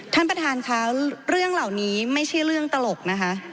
ท่านประธานค่ะเรื่องเหล่านี้ไม่ใช่เรื่องตลกนะคะ